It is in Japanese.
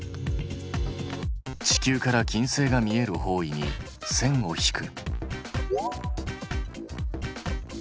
地球から金星が見える方位に線を引く。